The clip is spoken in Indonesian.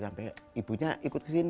kemudian per horizon